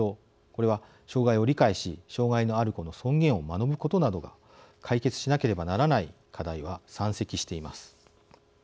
これは、障害を理解し障害のある子の尊厳を学ぶことなど解決しなければならない課題は山積しています。